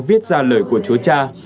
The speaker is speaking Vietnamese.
viết ra lời của chúa cha